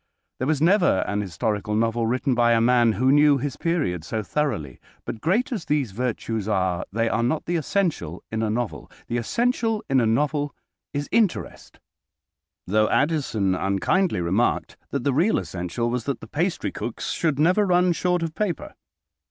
There was never an historical novel written by a man who knew his period so thoroughly. But, great as these virtues are, they are not the essential in a novel. The essential in a novel is interest, though Addison unkindly remarked that the real essential was that the pastrycooks should never run short of paper.